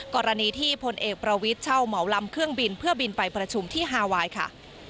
กรณีที่พลเอกประวิทย์เช่าเหมาลำเครื่องบินเพื่อบินไปประชุมที่ฮาไวน์ค่ะ